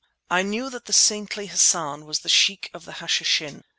I knew that the saintly Hassan was Sheikh of the Hashishin.